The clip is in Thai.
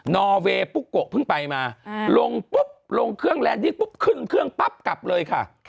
นอเวย์ปุ๊กโกะเพิ่งไปมาลงปุ๊บลงเครื่องแลนดิ้งปุ๊บขึ้นเครื่องปั๊บกลับเลยค่ะ